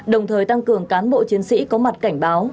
đồng thời tăng cường cán bộ chiến sĩ có mặt cảnh báo